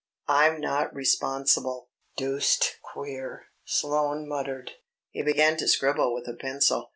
I'm not responsible." "Deuced queer," Soane muttered. He began to scribble with a pencil.